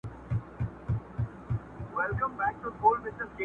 ویل دا پنیر کارګه ته نه ښایيږي٫